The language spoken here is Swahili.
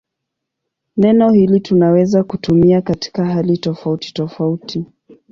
Neno hili tunaweza kutumia katika hali tofautitofauti.